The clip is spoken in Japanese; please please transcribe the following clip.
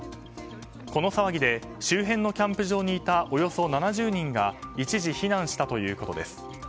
この騒ぎで周辺のキャンプ場にいたおよそ７０人が一時、避難したということです。